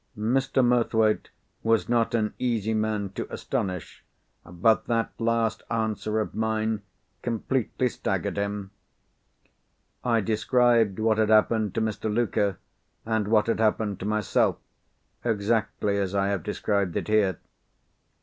Mr. Murthwaite was not an easy man to astonish; but that last answer of mine completely staggered him. I described what had happened to Mr. Luker, and what had happened to myself, exactly as I have described it here.